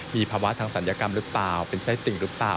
มีภาวะทางศัลยกรรมหรือเปล่าเป็นไส้ติ่งหรือเปล่า